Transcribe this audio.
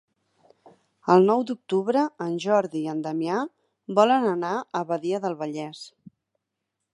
El nou d'octubre en Jordi i en Damià volen anar a Badia del Vallès.